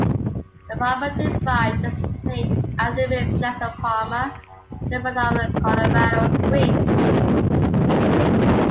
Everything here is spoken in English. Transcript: The Palmer Divide is named after William Jackson Palmer, the founder of Colorado Springs.